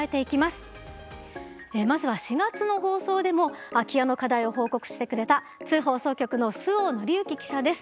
まずは４月の放送でも空き家の課題を報告してくれた津放送局の周防則志記者です。